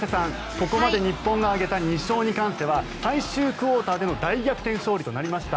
ここまで日本が挙げた２勝については最終クオーターでの大逆転勝利となりました。